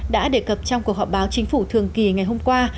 đã đề cập trong cuộc họp báo chính phủ thường kỳ ngày hôm qua